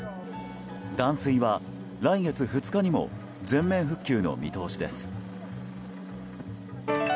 断水は来月２日にも全面復旧の見通しです。